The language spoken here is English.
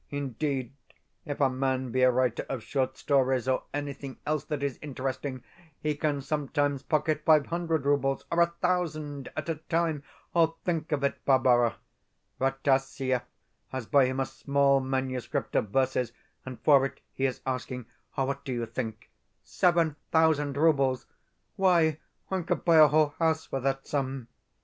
Indeed, if a man be a writer of short stories or anything else that is interesting, he can sometimes pocket five hundred roubles, or a thousand, at a time! Think of it, Barbara! Rataziaev has by him a small manuscript of verses, and for it he is asking what do you think? Seven thousand roubles! Why, one could buy a whole house for that sum!